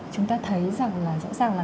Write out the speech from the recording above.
chúng ta thấy rằng là rõ ràng là